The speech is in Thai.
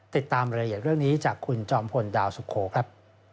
ติดตามรายละเอียดเรื่องนี้จากคุณจอมพลดาวสุโขครับ